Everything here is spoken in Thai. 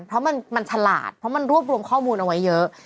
เพราะมันฉลาดเพราะมันรวบรวมข้อมูลเอาไว้เยอะ